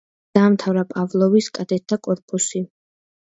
დაამთავრა პავლოვის კადეტთა კორპუსი.